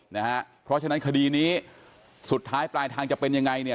นะฮะเพราะฉะนั้นคดีนี้สุดท้ายปลายทางจะเป็นยังไงเนี่ย